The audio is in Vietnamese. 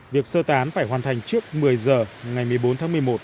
việc sơ tán phải hoàn thành trước một mươi giờ ngày một mươi bốn tháng một mươi một